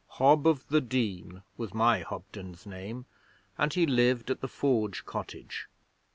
Hob of the Dene was my Hobden's name, and he lived at the Forge cottage.